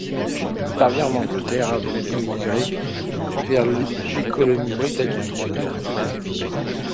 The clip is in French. Il parvint en Angleterre avant d'émigrer vers les colonies britanniques du Canada.